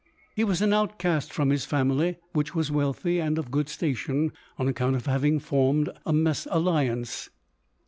He was an outcast from his family, which was wealthy and of good station, on account of having formed a mes alliance.